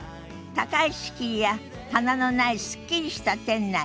高い敷居や棚のないすっきりした店内。